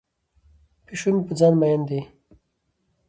پیشو مې په ځان مین دی.